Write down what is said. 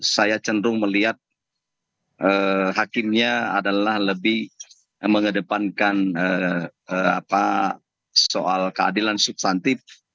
saya cenderung melihat hakimnya adalah lebih mengedepankan soal keadilan substantif